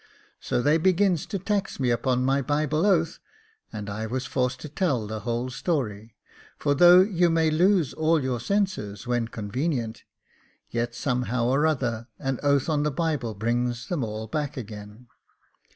So they begins to tax me upon my Bible oath, and I was forced to tell the whole story ; for though you may lose all your senses when convenient, yet somehow or another, an oath on the Bible brings them all back again.